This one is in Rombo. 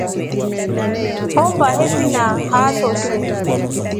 Hommba hefina haatoshe.